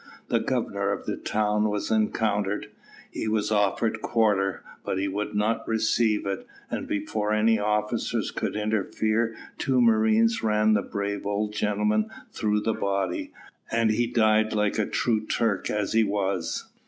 The governor of the town was encountered. He was offered quarter, but he would not receive it, and before any officers could interfere two marines ran the brave old gentleman through the body, and he died like a true Turk as he was.